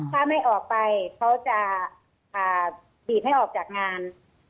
ถ้าไม่ออกไปเขาจะบีบให้ออกจากงาน